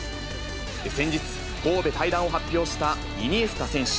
先日、神戸退団を発表したイニエスタ選手。